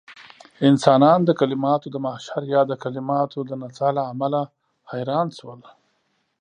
انسانان د کليماتو د محشر يا د کليماتو د نڅاه له امله حيران شول.